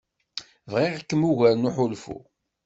Bɣiɣ-kem ugar n uḥulfu.